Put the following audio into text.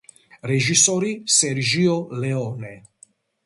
რეჟისორი სერჟიო ლეონე.